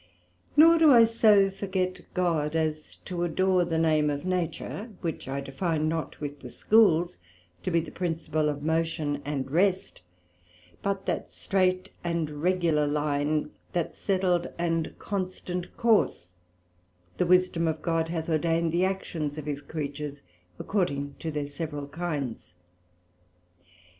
Nor do I so forget God as to adore the name of Nature; which I define not with the Schools, to be the principle of motion and rest, but that streight and regular line, that settled and constant course the Wisdom of God hath ordained the actions of His creatures, according to their several kinds.